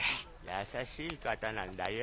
優しい方なんだよ。